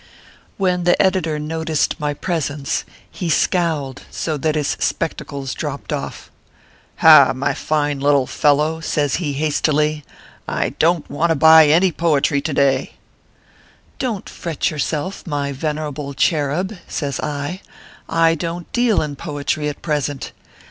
When the editor noticed my presence, he scowled so that his spectacles dropped off. ORPHEUS C. KERR PAPERS. 107 " Ha, my fine little fellow," says he, hastily ;" I don t want to buy any poetry to day." " Don t fret yourself, my venerable cherub," says I ;" I don t deal in poetry at present.